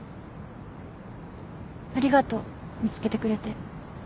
ありがとう見つけてくれて。